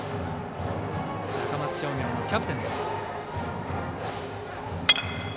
高松商業のキャプテンです。